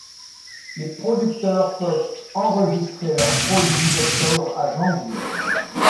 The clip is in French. Les producteurs peuvent enregistrer leurs produits d’octobre à janvier.